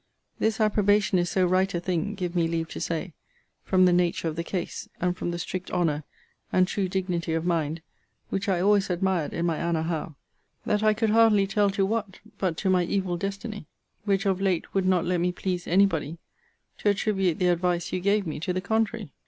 This approbation is so right a thing, give me leave to say, from the nature of the case, and from the strict honour and true dignity of mind, which I always admired in my Anna Howe, that I could hardly tell to what, but to my evil destiny, which of late would not let me please any body, to attribute the advice you gave me to the contrary.